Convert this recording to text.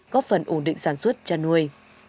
góp phần ổn định sản xuất cho nuôi